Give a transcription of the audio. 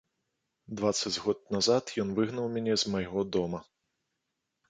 Дваццаць год назад ён выгнаў мяне з майго дома.